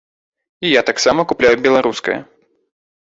І я таксама купляю беларускае.